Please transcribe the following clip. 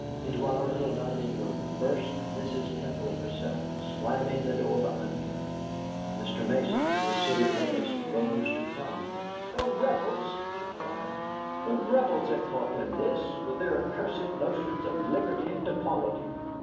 Into our little dining room burst Mrs. Temple herself, slamming the door behind her. Mr. Mason, who was sitting with us, rose to calm her. "The Rebels!" she cried. "The Rebels have taught them this, with their accursed notions of liberty and equality.